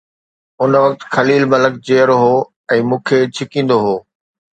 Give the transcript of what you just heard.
ان وقت خليل ملڪ جيئرو هو ۽ مون کي ڇڪيندو هو.